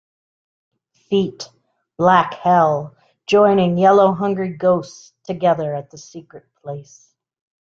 Feet: black-hell, joining yellow-hungry-ghosts together at the secret place.